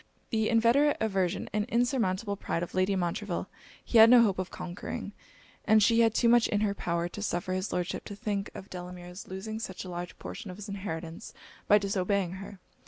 The inveterate aversion and insurmountable pride of Lady Montreville, he had no hope of conquering; and she had too much in her power, to suffer his Lordship to think of Delamere's losing such a large portion of his inheritance by disobeying her.